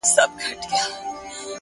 • د خپل ښايسته خيال پر رنگينه پاڼه ـ